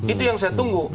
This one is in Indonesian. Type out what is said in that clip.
itu yang saya tunggu